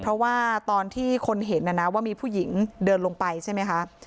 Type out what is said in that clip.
เพราะว่าตอนที่คนเห็นนะนะว่ามีผู้หญิงเดินลงไปใช่ไหมคะ